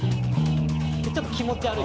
ちょっと気持ち悪い。